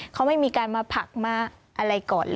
เขาไม่มีการมาผักมาอะไรก่อนเลย